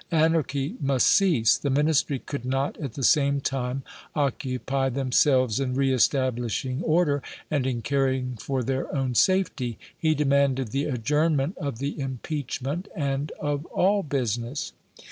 Anarchy must cease. The Ministry could not at the same time occupy themselves in re establishing order and in caring for their own safety. He demanded the adjournment of the impeachment and of all business."